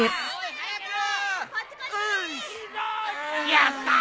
やったー！